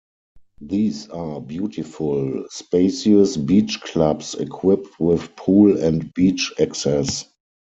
These are beautiful, spacious beach clubs equipped with pool and beach access.